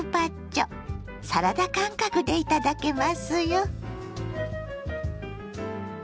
サラダ感覚でいただけますよ。